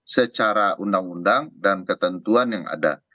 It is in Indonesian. secara undang undang dan ketentuan yang ada